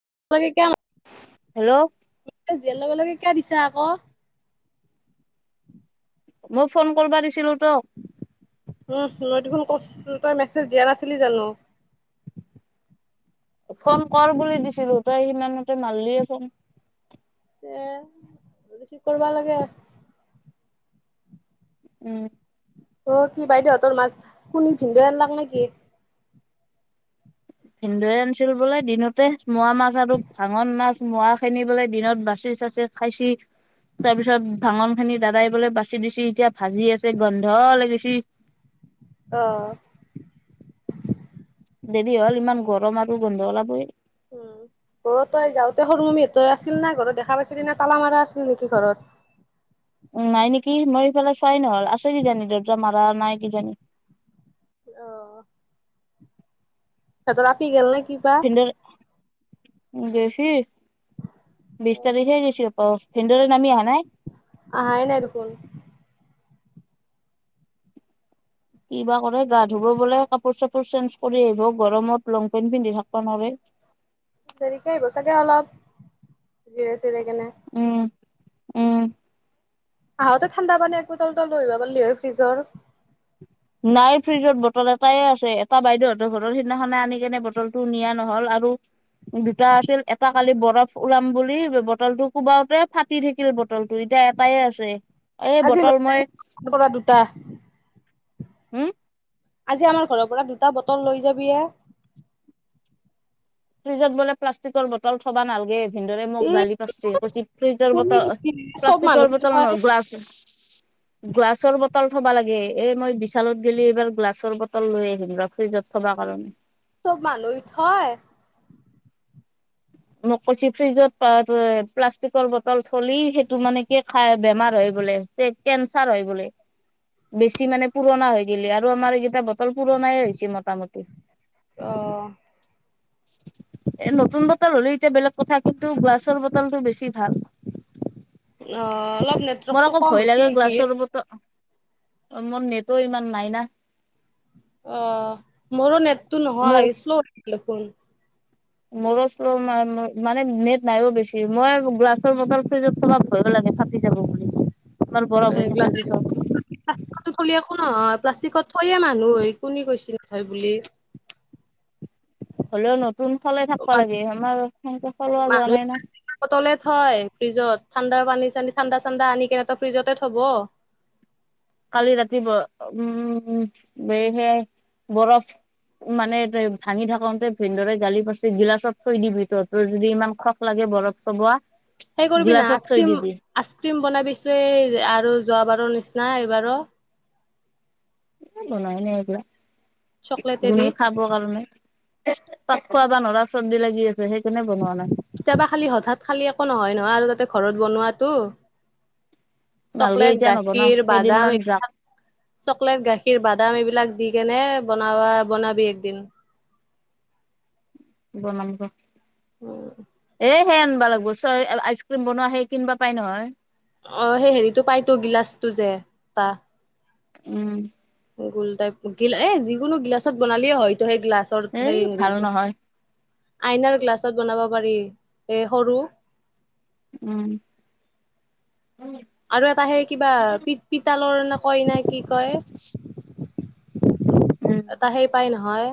[unintelligible] Hello দিয়াৰ লগে লগে কিয় দিছা আকৌ মই ফোন কৰিবা দিছিলো তোক উম মই দেখোন কষ্ট তই মেছেজ দিয়া নাছিলি জানো ফোন কৰ বুলি দিছিলো তই সিমানতে মাললিয়ে ফোন এ ৰিচীভ কৰিবা লাগে উম অ' কি বাইদেউহতৰ মাছ কুনি কি ভিনদেউ আনলাক নেকি ভিনন্দুৱে আনিছিল বোলে দিনতে মোৱা মাছ আৰু ভাঙন মাছ মৰা খিনিবোলে দিনত বাচি চাচি খাইছি তাৰ পিছত ভাঙন খিনি দাদাইবলৈ বাছি দিছি এতিয়া ভাজি আছে গন্ধ উলাগিছি অহ দেৰি হ'ল ইমান গৰম আৰু গোন্ধ ওলাবই উম অ' তই যাওঁতে সৰুমামীহঁত আছিল নে ঘৰত দেখা পাইছিলি না তালা মাৰা আছিল নেকি ঘৰত [unintelligible] উ নাই নেকি মই এইফালে চোৱাই নহল আছে কি জানি দেউতা মাৰা নাই কি জানি। আহ সিহঁতৰ আপি গেল নেকি? ভিনদেক গেছি বিশ তাৰিখে গেছি হব। ভিনদেউ নামি অ। আহায় নাই দেখোন। কিবা কৰে গা ধুব বোলে কাপোৰ চাপ চেঞ্জ কৰি আহিব গৰমত লং পেন্ট পিন্ধি থাকব নৰে। দেৰিকে কে আহিব চাগে অলপ জিৰে চিৰে কেনে উম উম। আহঁতে ঠাণ্ডা পানী এক বটল এটা লৈ আহিবা পাৰিলি হয় ফ্ৰিজৰ। নাই ফ্ৰিজত বটল এটাই আছে এটা বাইদেউহঁতৰ ঘৰ সিদিনাখনে আনি কেনে বটলটো নিয়া নহ'ল আৰু দুটা আছিল এটা কালি বৰফ ওলাম বুলি বটলটো কোবাওতে ফাটি থাকিল বটলটো এতিয়া এটাই আছে এই আজি লৈ বটল মই পৰা দুটা। হম আজি আমাৰ ঘৰৰ পৰা দুটা বটল লৈ যাবি এ ফ্ৰিজত বোলে প্লাষ্টিকৰ বটল থবা নালগে। ভিদেউৰে মোক এই গালি পাছে কৈছি ফ্ৰিজৰ বটল চব মানুহ প্লাষ্টিকৰ বটল হয়। নহয় গ্লাছ গ্লাছৰ বটল থাব লাগে এই মই বিশালত এইবাৰ গ্লাছৰ বটল লৈ আহিম ৰ ফ্ৰিজত থবা উম কাৰণে চব মানুহ থয় মোক কৈছি ফ্ৰিজত প্লাষ্টিকৰ বটল থলি সেইটো মানে কি খাই বেমাৰ হয়। বোলে কেনচাৰ হয় বোলে। বেছি মানে পুৰণা হৈ গিলি আৰু আমাৰ এইকেইটা বটল পুৰণাই হৈছে মটামুটি। অ। এ নতুন বট টল হ'লে এতিয়া বেলেগ কথা কিন্তু গ্লাছৰ বটলটো বেছি ভাল। অ', অলপ মোৰ নেটৱৰ্কটো আকৌ কম ভয় হৈছে লাগে নেকি? গ্লাছৰ বট অ মোৰ নেটো ইমান নাই না অ মোৰো নেটটো মোৰ নহয় আহিছিলো দেখোন মোৰো শ্ল মা মা মানে নেট নাই অ বেছি মই গ্লাছৰ বটল ফ্ৰিজত চবাত ভয় লাগ ফাটি যাব বুলি তোমাৰ এ বৰফ হৈ থাকে গ্লাছৰ যি চব। প্লাষ্টিকত থলি একো নহয় প্লাষ্টিকত থয়ে মানুহ কোনে কৈছে নথয় বুলি। হলেও ন যোন সলাই থাকিব লাগে আমাৰ সেনেকে খলোৱা যোৱা মানুহে নাই ন তলে থয় ফ্ৰিজত ঠাণ্ডাৰ পানী চানী ঠাণ্ডা ঠাণ্ডা আনি কেনে তো ফ্ৰিজতে থব। কালি ৰাতি উম বে সে বৰফ, মানে ভাঙি থাকোতে ভিদেউৰে গালি পাচি গিলাচত থৈ দি ভিত তো যদি ইমান খখ লাগে বৰফ চোবোৱা সেই কৰিবি না আইচ ক্ৰীম আইচ ক্ৰীম বনাবিচে আৰু যোৱাবাৰো নিচ না এইবাৰো, বনাই ন এতিয়া, চকলেটে দি এনেই খাবৰ কাৰণে তাত খোৱা বাানৰা চবজি লাগি আছে সেইকাৰনেে বনোৱা নাই কেতিয়াবা খালি হঠাৎ খালি একো নহয় নহয় আৰু তাতে ঘৰত বনোৱাটো, নালগে চকলেট এতিয়া নবনাও গাখীৰ কেইদিনমান বাদাম যাক এইবিলাক চকলেট গাখীৰ বাদাম এইবিলাক দি কেনে বনাবা বনাবি একদিন বনাম ৰ। উম এ সে আনিবা লাগিব চ আইচক্ৰীম বনোৱা সেই কিনিবা পাৰি নহয়। অ সেই হেৰিটো পায়তো গিলাচটো যে তা উম গোল টাইপ পুতিল এই যিকোনো গিলাচত বনালেও হয় সেই গ্লাছৰ এই সেই ভাল হেৰিটো নহয় আইনাৰ গ্লাছত বনাব পাৰি এ সৰু উম। আৰু এটা সেই কিবা পিত পিতালৰ ন কয় ন কি কয়? উম এটা সেই পাই নহয়।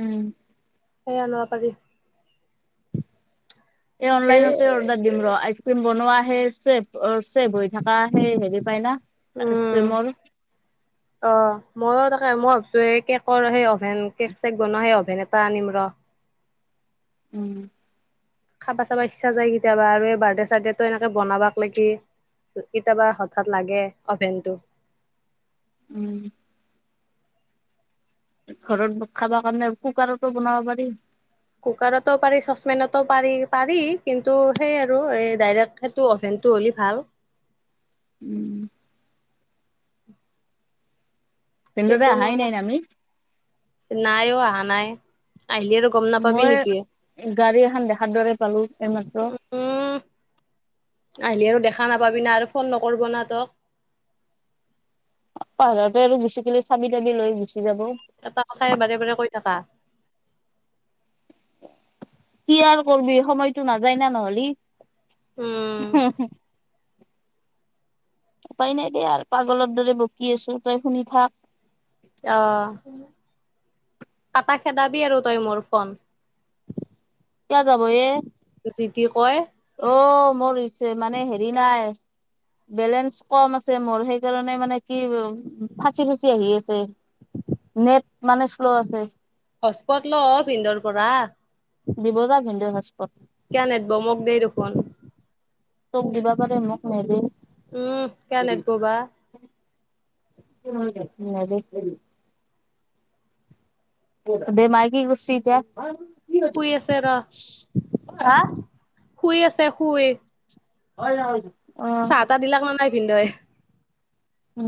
উম আনিব পাৰি। এই অনলাইনতে অৰ্ডাৰ দিম ৰ আইচক্ৰীম বনোৱা সেই চেব অ চেব হৈ থাকা এই হেৰি পায় না। উম আইচক্ৰীমৰ। মইও তাকে মই ভাবিছো এই কেকৰ সেই অভেন কেক চেক বনাই অভেন এটা আনিম ৰ। উম। খাবা চাবা ইচ্ছা যায় কেতিয়াবা আৰু এই বাৰ্থডে চাৰ্থডেটো এনেকে বনাবাকলেকি কেতিয়াবা হঠাৎ লাগে অভেনটো। উম। ঘৰত খাব কাৰণে কুকাৰতো বনাব পাৰি। কুকাৰতো পাৰি চচপেনতো পাৰি পাৰি কিন্তু সেই আৰু ডাইৰেক্ট সেইটো অভেন ইটো হ'লি ভাল। উম। এ ভিনদেউতা কোনো আহাই নাই না আমি নাইও অহা নাই। আহিলি আৰু গম নাপাবি মই নেকি? গাড়ী এখন দেখাৰ দৰে পালো এইমাত্ৰ। উম আহিলি আৰু দেখা নাপাবি না আৰু ফোন নকৰিব না তোক। পাহাৰতে আৰু গুচি গেলি চাবি তাবি লৈ গুচি যাব এটা কথাই বাৰে বাৰে কৈ থাকা? কি আৰ কৰিবি সময়তো নাযায় না নহ'লি। উম, হ হ [unintelligible] [inaudible] উপায় নাই দে আৰু পাগলৰ দৰে বকি আছো তই শুনি থাক। আহ কাটা খেদাবি আৰু তই মোৰ ফোন, কিয় যাব এ? কি কয়, অ মোৰ হৈছে মানে হেৰি নাই, বেলেঞ্চ কম আছে মোৰ সেইকাৰণে মানে কি ফাঁচি ফাচি আহি আছে। নেট মানে শ্ল' আছে। হস্পট ল ভিনদেউৰ পৰা। দিব যা ভেনিদেও এছ কিয় নিদিব মোক দেই দেখোন। তোক দিবা পাৰে মোক নেদে। উম কেয়া নিদিব বা [unintelligible] দে মাইকী গুচি এতিয়া, শুই আছে ৰ, আহ শুই আছে শুই ঐ [unintelligible] আহ চাহ তাহ দিলাক নে নাই ভিনদেউৱে?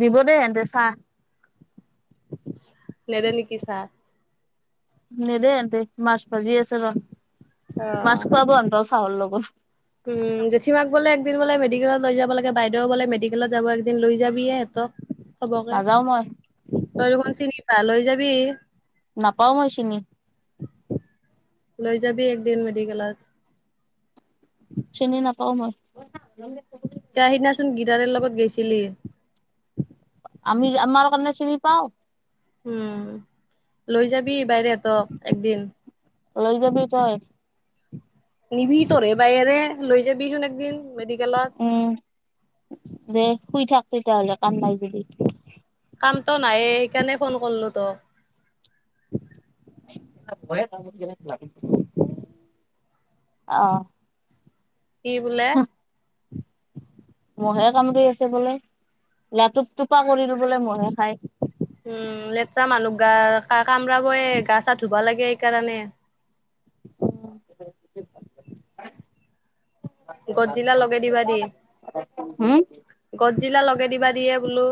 দিব দেই এনতে চাহ নিদে নেকি ছাৰ? নেদ এেতে মাছ ভাজি আছে ৰ মাছ অ'। খোৱাব এনত চাহলৰ লগত। উম, জেঠীমাক বোলে বোলে মেডিকেলতৈ যাব লাগে বাইদেউ বোলে মেডিকেলত যাব একদিন লৈ যাবিয়েহত চবকে নাযাও মই তই দে কোন চিনি ভাল হৈ যাবি নাপাওঁ মই চিঙি লৈ যাবি একদিন মেডিকেলত চিনি নাপও মই তে সিদিনাচোন গিটাৰৰ লগত গৈছিলি আমি আমাৰ কাৰণে চিনি পাও উম লৈ যাবি বাইৰেত একদিন লৈ যাবি তই নিবি তৰে বায়েৰে লৈ যাবিচোন একদিন মেডিকেলত উম দে শুই থাক তেতিাহ'লে কান নাই দিবি কামটো নাইে সেইকাৰণে ফোন কৰিলো তো [unintelligible] আহ কি বুল মহে কামৰি আছে বোলে লটোু টোপা কৰিলো বোলে মহে খাই উম লেতেৰা মানুহ গা ক কামৰাবয় গা চা ধুবা লাগে সকাৰণে অ গছ জিলা লগাই দিবা দেই হম গছ জিলা লগে দিবা দিয়ে বোলো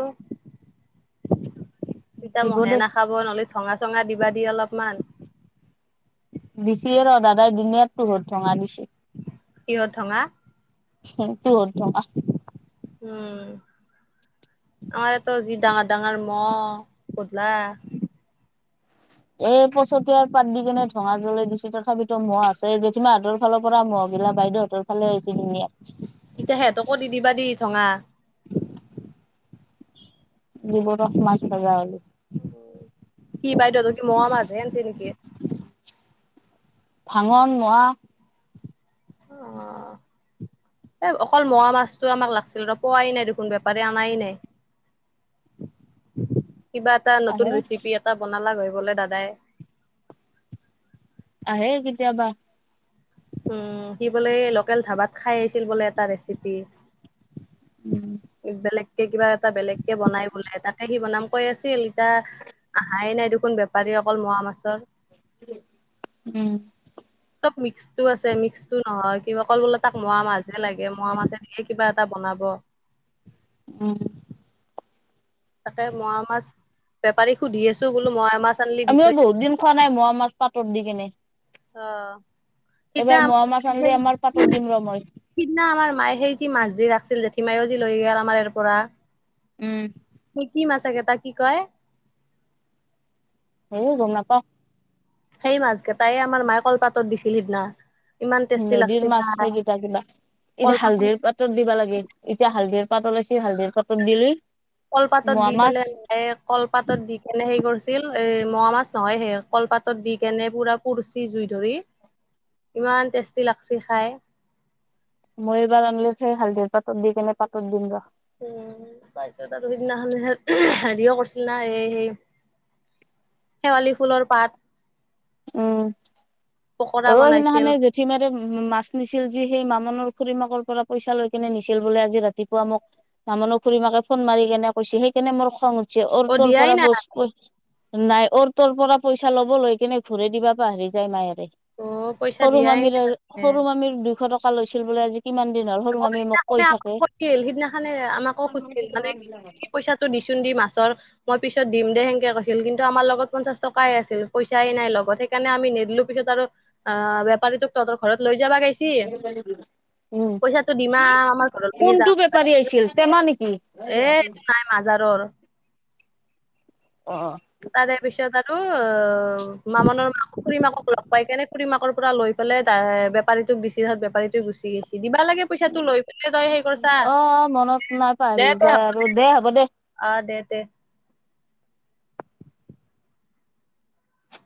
তেতিতয়া দিব মহে দে নাখাব নলি থ ঙা চঙা দিবা দি অলপমান বিছি ৰ দাদাই দিন তহৰ থঙ আ দিছেি কিহ অথঙা উ তো ত উম আমাৰ এত যি ডাঙৰ ডাঙৰ মহ কতল এই পছতিয়াৰ পাত দি কেনে ধঙা জ্বলে গছেি তথাপিতো মহ আছে জেঠীমা হাদৰ ফালৰ পৰা মহ' গিলা বাইদেউ হতৰালে হৈছেছিল ধুনীয়া এতিয়া সিহঁতকো দি দিবা দি ঙা দিব ৰস মাছটা যাওঁল কি বাইদেউ তৰ কি মোৱা মাছ হে আনছে নেকি? ভাগণ, মৰা অ এ অকল মোৱা মাছতটো আমাক লাগিছিল ৰ পোৱাই নাই দেখোন বেপাৰী অনাই নাই [unintelligible] কিবা এটা নতুন আহে ৰেচিপি এটা বনালা হয় বলে দাদাই অ হেগিতয়াাবা উম সি বোলে লোকেল ধাবাত খাই আহিছিল বোলে এটা ৰেচিপি উম একদলে কিবা এটা বেলেগ কে বনাই বলাই তাকে সি বনাম কৈ আছিল এতিয়া আহাই নাই দেখোন বেপাৰী। অকল মহ মাছৰ উম মিক্সটো আছে মিক্সটো নহয় কিবা কল বোলে তাক মোৱা মাছহে লাগে মাছ এনেকে কিবা আটা বনাব উ তাকে মৰা মাছ বেপাৰীক সুধি আছো বোলো মৰা মাছ আনলি দি আমিও থৈ বহুত দিন যাব। খোৱা নাই মোৱা মাছ পাতত দি কেনে অ সিদিনা এইবাৰ মোৱা মাছ আনিলে আমাৰ পাতত দিম ৰ মই। সিদিনা আমাৰ মায়ে সেই যি মাছ দি ৰাখ আছিল জেঠীমায়ওজি লৈ গল আমাৰ ইাৰ পৰা উম। কি মা তাকে ত কি কয় হেই গমনাপাও সেই মাছ কেইটাই আমাৰ মায় কলপাতত দিছিল সিদিনা। ইমান টেষ্টি লাগছি নদীৰ মাছ স খাই কেইটা কিবা এতিয়া কলপাতত হালধিৰ পাতত দিবা লাগে এতিয়া হালধিৰ পাত ওলাইছে হালধিৰ পাতত দিলে। কলপাতত দি পেলাই কলপাতত দি কেনে সে কৰিছিল এ মুৱা মাছ নহয় সে কলপাতত দি কেনে পুৰা পুৰ্চি জুই ধৰি ইমান টেষ্টি লাগছ খাই। মই এইবাৰ আনিলো সেই হালধিৰ পাতত দি কেনে পাতত দিম ৰ। উম পাইছত আৰু সেইদিনাখন হেৰিও কৰিছিল না সেই সেই শেৱালি ফুলৰ পাত। উম পকৰা অ বনাইছিল। সিদিনাখানে জেঠি মাৰে মাছ নিছিল যি সেই মামনৰ খুুৰী মাকৰ পৰা পইচা লৈ কেনে নিছিল বোলে আজি ৰাতিপুৱা মোক নামনো ফুৰি মাকে ফোন মাৰি কেনে কৈছে সেইকাৰনে মোৰ খং উঠছে অ তোৰ দিয়াই পৰা নাই বস্তু নাই অৰ তোৰ পৰা পইচা ল'ব লৈ কেনে ঘূৰে দিবা প হেৰি যায় মায়োৰে। অ' পইচা সৰু দিয়াই মামীৰ নাই সৰু মামীৰ দুইশ টকা লৈছিল বোলে আজি। কিমান দিন হ'ল সৰু মামী সিদি মোক কৈ থাকে। আাকছিল সিদিনাখনে আমাকো খুজিছিল মানে পইচাটো দিছিল। চুন্দি মাছৰ মই পিছত দিম দে সেংকে কৈছিল কিন্তু আমাৰ লগত পঞ্চাচ টকাই আছিল পইচাই নাই লগত সেইকাৰণে আমি নিদিলো পিছত বেপাৰী তোক তহতৰ ঘৰত লৈ যাবা গৈ এ [unintelligible] উ দিমা আমাৰ ঘৰলৈকে যাম কোনটো বেপাৰী আহিছিল পেমা নেকি? এ এইটো নাই মাজাৰৰ তাৰে পিছত আৰু অ মামণনৰ মাকক খুুৰী মাকক লগ পাই কেনে খুৰী মাকৰ পুৰা লৈ পেলাই এ বেপাৰীতোক দিছি তা বেপাৰীটো গুচি গৈছে। দিবা লাগে পইচাটো লৈ পেলাই তই হেই কৰিছা অ মনত নাই দে পাহৰি তে যায় আৰু দে হ'ব দে। হ আঁ দেদে